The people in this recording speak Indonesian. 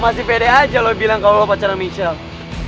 masih pede aja lo bilang kalau lo pacarnya michelle